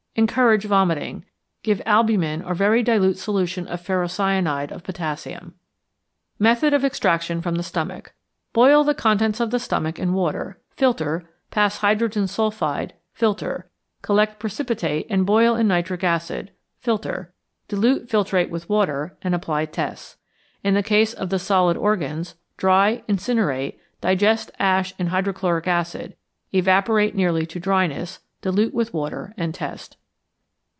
_ Encourage vomiting. Give albumin or very dilute solution of ferrocyanide of potassium. Method of Extraction from the Stomach. Boil the contents of the stomach in water, filter, pass hydrogen sulphide, filter, collect precipitate and boil in nitric acid, filter, dilute filtrate with water and apply tests. In the case of the solid organs, dry, incinerate, digest ash in hydrochloric acid, evaporate nearly to dryness, dilute with water, and test.